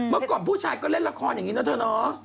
เมื่อก่อนผู้ชายก็เล่นละครอย่างนี้นะเธอเนาะ